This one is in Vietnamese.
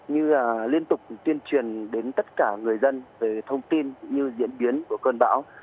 như là liên tục tuyên truyền đến tất cả người dân về thông tin như diễn biến của cơn bão